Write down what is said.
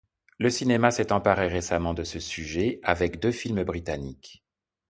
Le cinéma s'est emparé récemment de ce sujet, avec deux films britanniques.